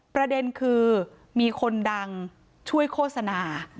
ประเด็นคือมีคนดังช่วยโฆษณา